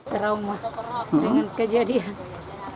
trauma dengan kejadian